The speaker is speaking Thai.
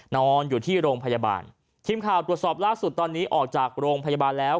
นอนอยู่ที่โรงพยาบาลทีมข่าวตรวจสอบล่าสุดตอนนี้ออกจากโรงพยาบาลแล้ว